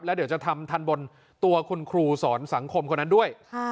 แล้วเดี๋ยวจะทำทันบนตัวคุณครูสอนสังคมคนนั้นด้วย